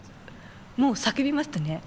もう叫びましたね。